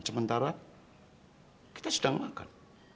sementara kita sedang makan